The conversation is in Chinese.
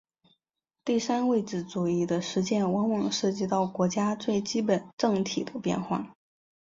第三位置主义的实践往往涉及到国家最基本政体的变化。